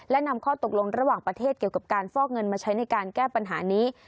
และนำข้อตกลงระหว่างประเทศเกี่ยวกับการฟอกเงินมาใช้ในการแก้ปัญหานี้